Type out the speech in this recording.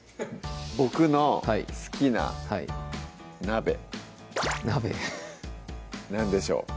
僕の好きな鍋鍋何でしょう？